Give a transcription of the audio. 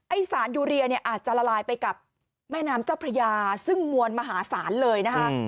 สารยูเรียเนี่ยอาจจะละลายไปกับแม่น้ำเจ้าพระยาซึ่งมวลมหาศาลเลยนะคะ